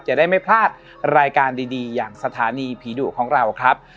จะได้ไม่พลาดรายการดีอย่างสถานีผีดุของเราครับ